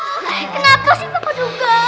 kenapa sih pak petugas